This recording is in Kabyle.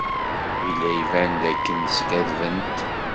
Yella iban dakken skaddbent.